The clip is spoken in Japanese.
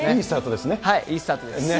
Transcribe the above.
いいスタートですね。